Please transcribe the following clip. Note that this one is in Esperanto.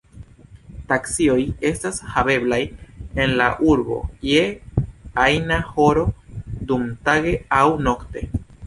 Taksioj estas haveblaj en la urbo je ajna horo dumtage aŭ nokte.